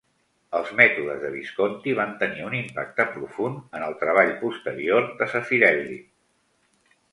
Els mètodes de Visconti van tenir un impacte profund en el treball posterior de Zeffirelli.